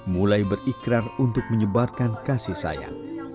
mulai berikrar untuk menyebarkan kasih sayang